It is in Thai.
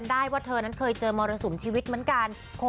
ไม่แต่ฉันมีความหวัง